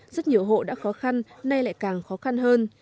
rất nhiều hộ đã khó khăn nay lại càng khó khăn hơn